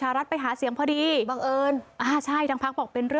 ถามว่าไปหาคุณหญิงเหรอ